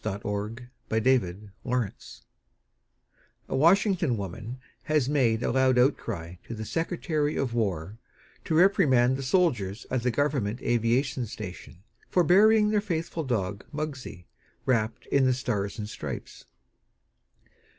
THE FLAG AND THE FAITHFUL (A Washington woman has made a loud outcry to the Secretary of War to reprimand the soldiers at the Government Aviation Station for burying their faithful dog, Muggsie, wrapped in the Stars and Stripes.)